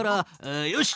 よし！